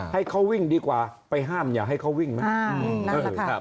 ให้เขาวิ่งดีกว่าไปห้ามอย่าให้เขาวิ่งไหม